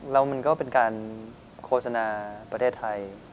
แล้วมันก็เป็นการโฆษณาประเทศไทย